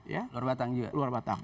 nah ini juga di luar batang